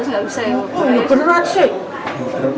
oh itu berat